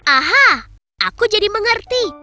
aha aku jadi mengerti